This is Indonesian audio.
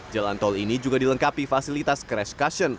jalan tol ini juga dilengkapi fasilitas crash cushion